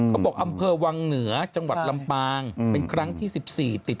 อำเภอวังเหนือจังหวัดลำปางเป็นครั้งที่๑๔ติด